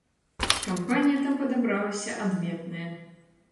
Кампанія там падабралася адметная.